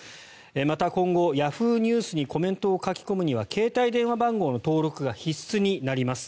また、今後Ｙａｈｏｏ！ニュースにコメントを書き込むには携帯電話番号の登録が必須になります。